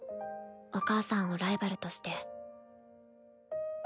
お母さんをライバルとして。